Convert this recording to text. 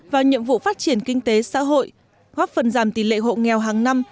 vào nhiệm vụ phát triển kinh tế xã hội góp phần giảm tỷ lệ hộ nghèo hàng năm